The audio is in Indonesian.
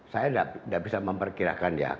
saya tidak bisa memperkirakan ya